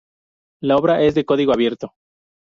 La obra es de código abierto.